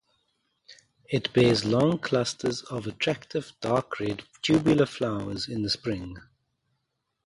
It bears long clusters of attractive dark red tubular flowers in the spring.